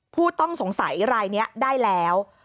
ผู้ต้องสงสัยอะไรเนี่ยได้แล้ว